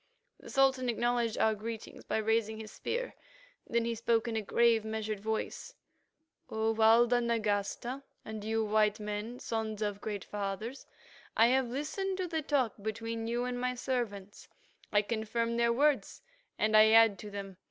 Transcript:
The Sultan acknowledged our greetings by raising his spear. Then he spoke in a grave measured voice: "O Walda Nagasta, and you, white men, sons of great fathers, I have listened to the talk between you and my servants; I confirm their words and I add to them.